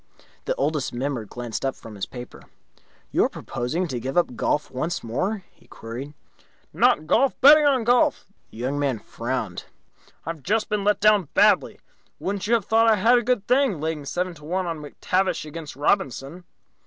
The Oldest Member glanced up from his paper. "You are proposing to give up golf once more?" he queried. "Not golf. Betting on golf." The Young Man frowned. "I've just been let down badly. Wouldn't you have thought I had a good thing, laying seven to one on McTavish against Robinson?"